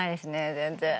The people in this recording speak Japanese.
全然。